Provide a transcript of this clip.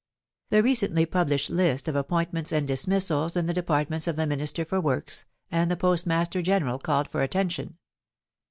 ... The recently published list of ap pointments and dismissals in the departments of the Minister for Works and the Postmaster General called for attention.